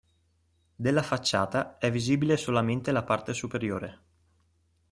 Della facciata è visibile solamente la parte superiore.